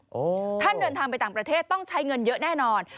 โอ้โหท่านเดินทางไปต่างประเทศต้องใช้เงินเยอะแน่นอน